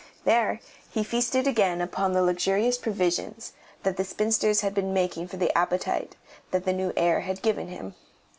There he feasted again upon the luxurious provision that the spinsters had been making for the appetite that the new air had given him.